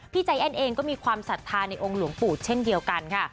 ใจแอ้นเองก็มีความศรัทธาในองค์หลวงปู่เช่นเดียวกันค่ะ